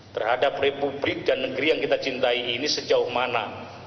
terhadap republik dan negeri yang kita cintai ini sejauh mana